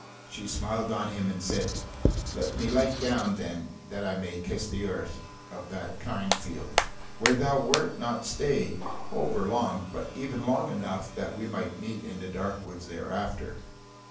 She smiled on him and said: "Let me light down then, that I may kiss the earth of that kind field, where thou wert not stayed over long, but even long enough that we might meet in the dark wood thereafter."